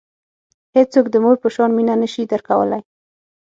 هیڅوک د مور په شان مینه نه شي درکولای.